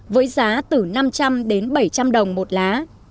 với giá từ năm trăm linh đến bảy trăm linh đồng một lá